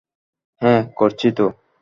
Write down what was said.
হ্যাঁ, করছি তো।